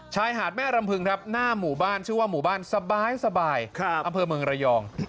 ชายหาดแม่รำพึงครับหน้าหมู่บ้านชื่อว่าหมู่บ้านสบายอำเภอเมืองระยอง